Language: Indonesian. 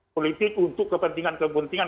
politik untuk kepentingan kepentingan